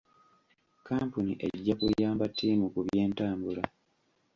Kkampuni ejja kuyamba ttiimu ku byentambula.